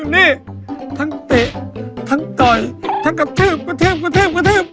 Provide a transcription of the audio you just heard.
นี่ทั้งเตะทั้งต่อยทั้งกระทืบกระทืบกระทืบกระทืบ